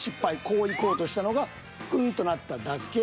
こういこうとしたのがグンッとなっただけ。